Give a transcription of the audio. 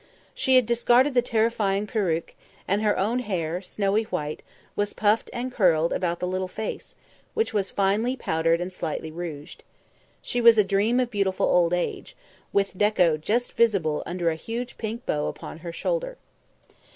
She had discarded the terrifying perruque, and her own hair, snowy white, was puffed and curled about the little face, which was finely powdered and slightly rouged. She was a dream of beautiful old age, with Dekko just visible under a huge pink bow upon her shoulder.